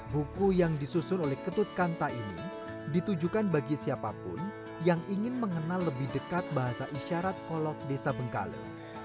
buku yang disusun oleh ketut kanta ini ditujukan bagi siapapun yang ingin mengenal lebih dekat bahasa isyarat kolok desa bengkale